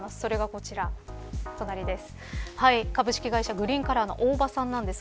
こちらです。